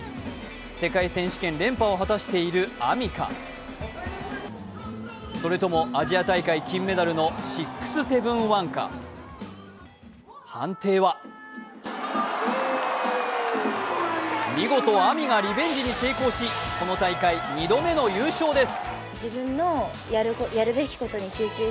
世界選手権連覇を果たしているＡＭＩかそれともアジア大会金メダルの６７１か、判定は見事ＡＭＩがリベンジに成功しこの大会、２度目の優勝です。